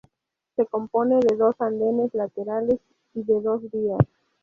Se compone de dos andenes laterales y de dos vías.